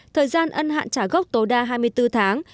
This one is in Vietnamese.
thời gian ân hạn trả gốc tối đa hai mươi bốn tháng